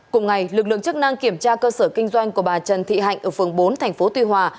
cùng ngày lực lượng chức năng kiểm tra cơ sở kinh doanh của bà trần thị hạnh ở phường bốn thành phố tuy hòa